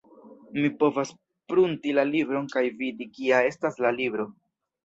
Mi povas prunti la libron kaj vidi kia estas la libro.